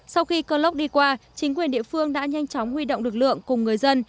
sau khi cơn lốc đi qua chính quyền địa phương đã nhanh chóng huy động lực lượng cùng người dân